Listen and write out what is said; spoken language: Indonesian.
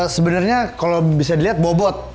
sebenarnya kalau bisa dilihat bobot